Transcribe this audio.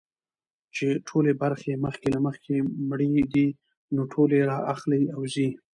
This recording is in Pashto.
چي ټولي برخي مخکي له مخکي مړې دي نو ټولي را اخلي او ځي.